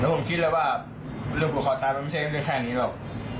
ผมคิดเลยว่าเรื่องผูกคอตายมันไม่ใช่เรื่องแค่นี้หรอก